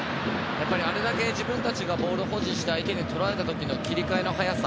あれだけ自分たちがボールを保持して相手にとられた時の切り替えの早さ。